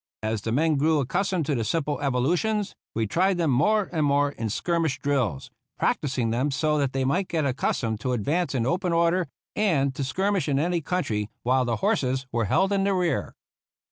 As the men grew accustomed to the simple evolutions, we tried them more and more in skirmish drills, practising them so that they might get accustomed to advance in open order and to skirmish in any country, while the horses were held in the rear.